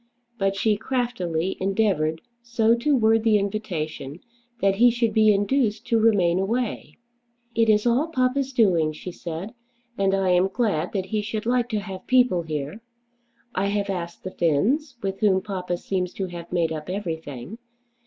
But she craftily endeavoured so to word the invitation that he should be induced to remain away. "It is all papa's doing," she said; "and I am glad that he should like to have people here. I have asked the Finns, with whom papa seems to have made up everything.